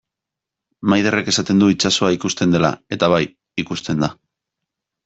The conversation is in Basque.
Maiderrek esaten du itsasoa ikusten dela, eta bai, ikusten da.